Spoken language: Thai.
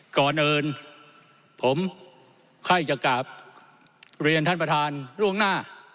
ก่อนอื่นผมใครจะกลับเรียนท่านประธานล่วงหน้า